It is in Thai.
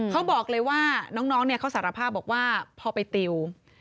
เขาบอกเลยว่าน้องเขาสารภาพบอกว่าพอไปติว